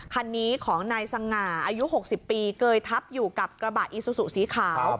คันนี้ของนายสง่าอายุ๖๐ปีเกยทับอยู่กับกระบะอีซูซูสีขาว